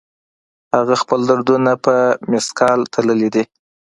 هغه خپل دردونه په مثقال تللي دي